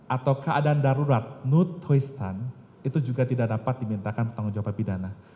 atau keadaan darurat nut huistan itu juga tidak dapat dimintakan penanggung jawabkan pidana